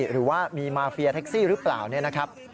หรือว่ามีมาเฟียแท็กซี่หรือเปล่าเนี่ยนะครับ